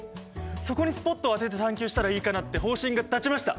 そこにスポットを当てて探究したらいいかなって方針が立ちました！